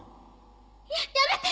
やめて！